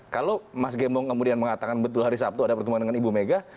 kalau mas gembong kemudian mengatakan betul hari sabtu ada pertemuan dengan ibu mega